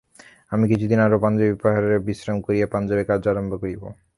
আমি কিছুদিন আরও পাঞ্জাবী পাহাড়ে বিশ্রাম করিয়া পাঞ্জাবে কার্য আরম্ভ করিব।